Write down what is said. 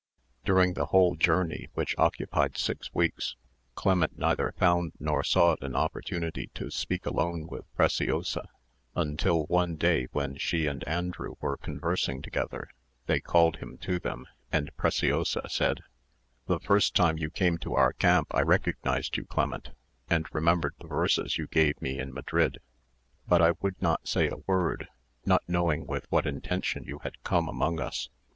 During the whole journey, which occupied six weeks, Clement neither found nor sought an opportunity to speak alone with Preciosa, until one day when she and Andrew were conversing together, they called him to them, and Preciosa said, "The first time you came to our camp I recognised you, Clement, and remembered the verses you gave me in Madrid; but I would not say a word, not knowing with what intention you had come among us.